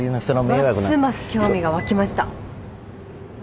ますます興味が湧きました。